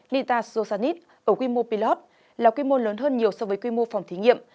nitazosanit ở quy mô pilot là quy mô lớn hơn nhiều so với quy mô phòng thí nghiệm